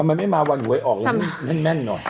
ทำไมไม่มาวันห่วยออกในเม่นหน่อย